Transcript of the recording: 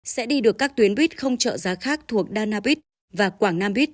sẽ đi được các tuyến buýt không trợ giá khác thuộc đa nam bít và quảng nam bít